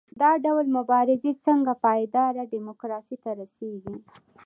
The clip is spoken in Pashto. دا ډول مبارزې څنګه پایداره ډیموکراسۍ ته رسیږي؟